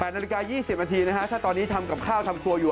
นาฬิกา๒๐นาทีนะฮะถ้าตอนนี้ทำกับข้าวทำครัวอยู่